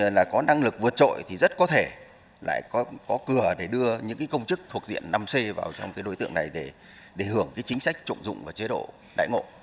nếu như các quy định có năng lực vượt trội thì rất có thể lại có cửa để đưa những công chức thuộc diện năm c vào trong đối tượng này để hưởng chính sách trọng dụng và chế độ đáy ngộ